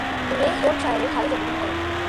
রে ইয়র্কশায়ারের হালে জন্মগ্রহণ করেন।